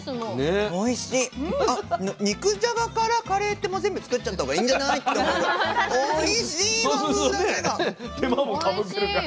肉じゃがからカレーって全部作っちゃった方がいいんじゃないって思うぐらいおいしい和風だしが。